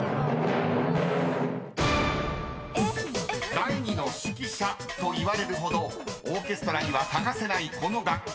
［第二の指揮者といわれるほどオーケストラには欠かせないこの楽器。